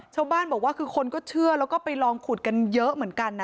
ชาวบ้านบอกว่าคือคนก็เชื่อแล้วก็ไปลองขุดกันเยอะเหมือนกันนะ